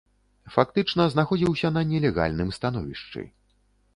Фактычна знаходзіўся на нелегальным становішчы.